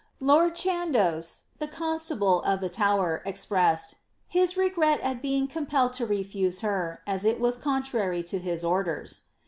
Lord Chandos, the constable of the Tower, expressed ^ his regret at being compelled to refuse her, as it was contrary to his orders."